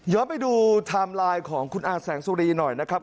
ย้อนไปดูไทม์ไลน์ของคุณอาศักดิ์แสงสุรีหน่อยนะครับ